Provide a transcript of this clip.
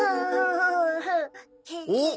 おっ！